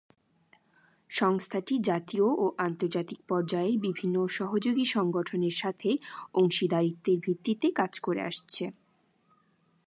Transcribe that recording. সংস্থাটি জাতীয় ও আন্তর্জাতিক পর্যায়ের বিভিন্ন সহযোগী সংগঠনের সাথে অংশীদারিত্বের ভিত্তিতে কাজ করে আসছে।